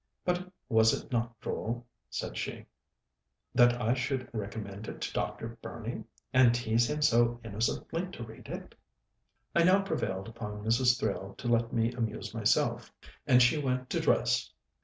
But was it not droll," said she, "that I should recommend it to Dr. Burney? and tease him so innocently to read it?" I now prevailed upon Mrs. Thrale to let me amuse myself, and she went to dress.